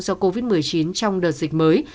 do covid một mươi chín trong đợt dịch mới